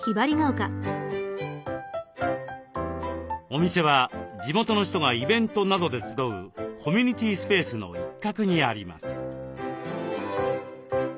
お店は地元の人がイベントなどで集うコミュニティースペースの一角にあります。